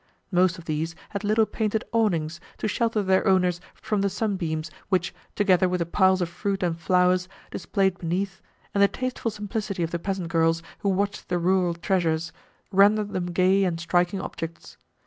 Most of these had little painted awnings, to shelter their owners from the sunbeams, which, together with the piles of fruit and flowers, displayed beneath, and the tasteful simplicity of the peasant girls, who watched the rural treasures, rendered them gay and striking objects.